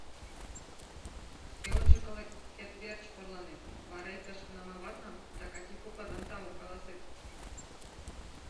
Шке ончыкылыкет верч орланет, вара иктаж-кунам аватлан да Кати кокатлан таум каласет.